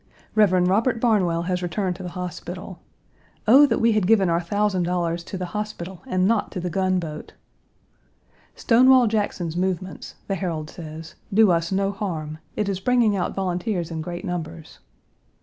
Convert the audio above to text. Rev. Robert Barnwell has returned to the hospital. Oh, that we had given our thousand dollars to the hospital and not to the gunboat! "Stonewall Jackson's movements," the Herald says, "do us no harm; it is bringing out volunteers in great numbers."